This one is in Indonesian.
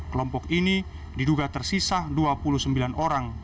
kelompok ini diduga tersisa dua puluh sembilan orang